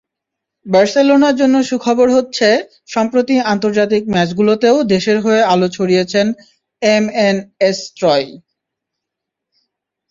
বার্সেলোনার জন্য সুখবর হচ্ছে, সম্প্রতি আন্তর্জাতিক ম্যাচগুলোতেও দেশের হয়ে আলো ছড়িয়েছেন এমএনএসত্রয়ী।